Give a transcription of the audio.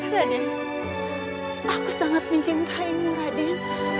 raden aku sangat mencintaimu raden